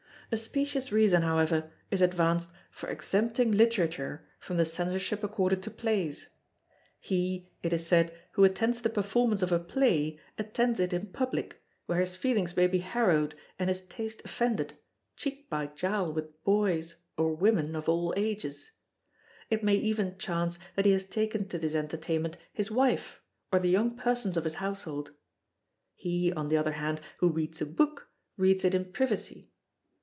A specious reason, however, is advanced for exempting Literature from the Censorship accorded to Plays. He—it is said—who attends the performance of a play, attends it in public, where his feelings may be harrowed and his taste offended, cheek by jowl with boys, or women of all ages; it may even chance that he has taken to this entertainment his wife, or the young persons of his household. He —on the other hand—who reads a book, reads it in privacy.